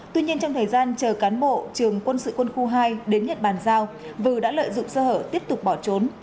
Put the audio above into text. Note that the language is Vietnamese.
tuy nhiên trong thời gian chờ cán bộ trường quân sự quân khu hai đến nhận bàn giao vừ đã lợi dụng sơ hở tiếp tục bỏ trốn